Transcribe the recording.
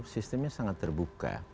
sistemnya sangat terbuka